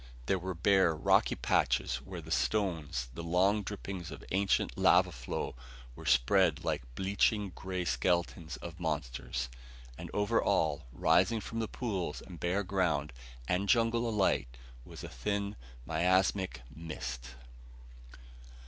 There were bare, rocky patches where the stones, the long drippings of ancient lava flow, were spread like bleaching gray skeletons of monsters. And over all, rising from pools and bare ground and jungle alike, was a thin, miasmic mist.